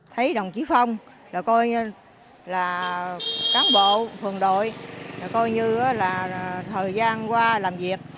thấy đồng chí phong là cán bộ phường đội là thời gian qua làm việc